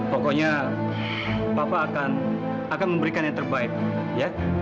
pokoknya bapak akan memberikan yang terbaik ya